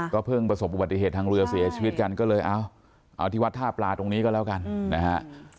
เพิ่งประสบอุบัติเหตุทางเรือเสียชีวิตกันก็เลยเอาที่วัดท่าปลาตรงนี้ก็แล้วกันนะฮะ